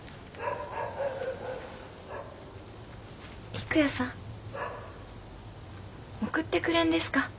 郁弥さん送ってくれんですか？